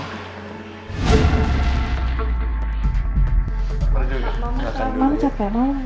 mau duduk gak